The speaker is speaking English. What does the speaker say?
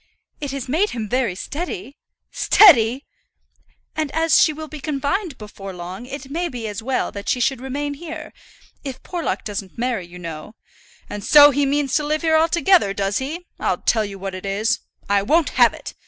"It has made him very steady." "Steady!" "And as she will be confined before long it may be as well that she should remain here. If Porlock doesn't marry, you know " "And so he means to live here altogether, does he? I'll tell you what it is, I won't have it.